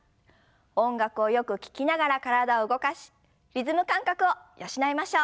音楽をよく聞きながら体を動かしリズム感覚を養いましょう。